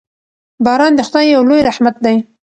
باران د خدای یو لوی رحمت دی.